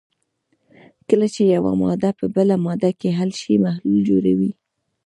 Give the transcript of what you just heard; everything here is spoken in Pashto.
کله چې یوه ماده په بله ماده کې حل شي محلول جوړوي.